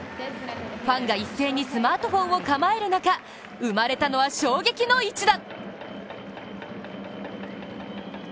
ファンが一斉にスマートフォンを構える中、生まれたのは、衝撃の一打。